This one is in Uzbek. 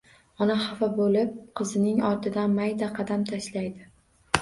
Ona xafa bo‘lib qizining ortidan mayda qadam tashlaydi.